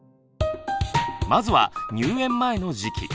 まずは入園前の時期。